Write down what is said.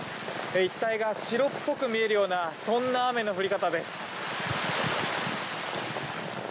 一帯が白っぽく見えるようなそんな雨の降り方です。